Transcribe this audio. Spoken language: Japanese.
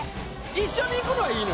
一緒に行くのは良いのね？